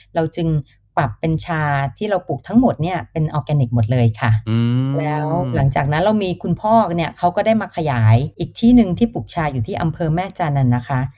เราจึงปรับเป็นชาที่เราปลูกทั้งหมดเนี่ยเป็นออร์แกนิคหมดเลยค่ะแล้วหลังจากนั้นเรามีคุณพ่อเนี่ยเขาก็ได้มาขยายอีกที่หนึ่งที่ปลูกชาอยู่ที่อำเภอแม่จันทร์นะคะ